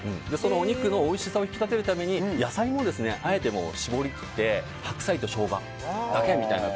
お肉のおいしさを引き立てるために野菜もあえて絞り切って白菜とショウガだけみたいな。